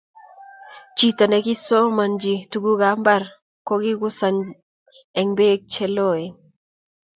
chito ne kisomanchi tuguk ab mbar ko kichungusan eng beko che loen